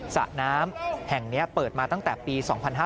สระน้ำแห่งนี้เปิดมาตั้งแต่ปี๒๕๕๙